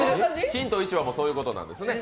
ヒント１はそういうことなんですね